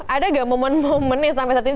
ada gak momen momen yang sampai saat ini